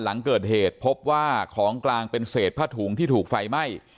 หลังเกิดเหตุพบว่าของกลางเป็นเศษผ้าถุงที่ถูกไฟไหม้